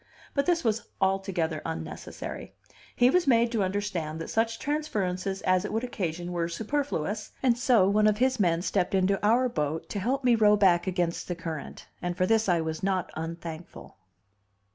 But this was altogether unnecessary; he was made to understand that such transferences as it would occasion were superfluous, and so one of his men stepped into our boat to help me to row back against the current; and for this I was not unthankful.